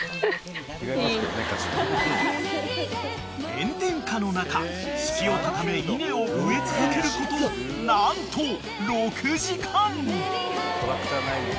［炎天下の中士気を高め稲を植え続けること何と６時間］